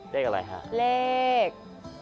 เลขอะไรครับ